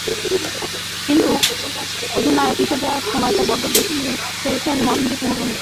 কিন্তু অধিনায়ক হিসেবে সময়টা বড্ড বেশি নিয়ে ফেলছেন মহেন্দ্র সিং ধোনি।